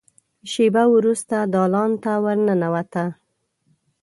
شېبه وروسته دالان ته ور ننوته.